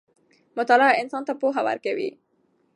مطالعه انسان ته پوهه ورکوي.